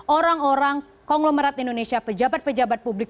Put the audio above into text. orang orang konglomerat indonesia pejabat pejabat publik